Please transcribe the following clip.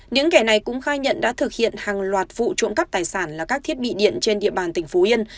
những kẻ này cũng khai nhận đã thực hiện hàng loạt vụ trộm cắp tài sản là các thiết bị điện trên địa bàn tỉnh phú yên